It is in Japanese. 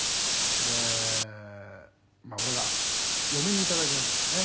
「でまあ俺が嫁に頂きますからね」